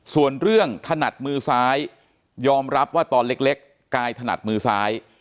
ส่วนเรื่องถนัดมือซ้ายยอมรับว่าตอนเล็กกายถนัดมือซ้าย